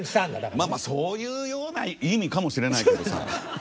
まあまあそういうような意味かもしれないけどさ。